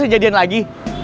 kita bisa jadian lagi